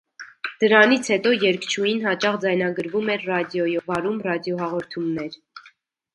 Դրանից հետո երգչուհին հաճախ ձայնագրվում էր ռադիոյով, վարում ռադիոհաղորդումներ։